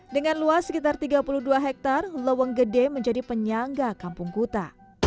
dengan luas sekitar tiga puluh dua hektare leweng gede menjadi penyangga kampung kuta